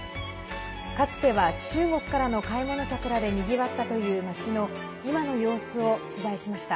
かつては中国からの買い物客らでにぎわったという町の今の様子を取材しました。